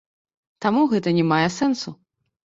Таму гэта не мае сэнсу.